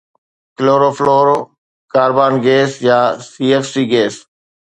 chloro fluoro carbon gas يا C F C gas